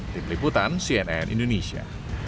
tim liputan cnn indonesia